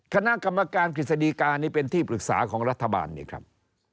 คณะกรรมการกฤษฎีกานี่เป็นที่ปรึกษาของรัฐบาลนี่ครับ